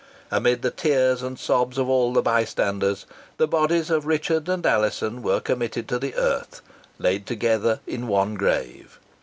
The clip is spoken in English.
Amid the tears and sobs of all the bystanders, the bodies of Richard and Alizon were committed to the earth laid together in one grave.